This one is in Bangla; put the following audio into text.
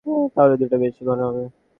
তাহলে দুধটা বেশ ঘন হবে।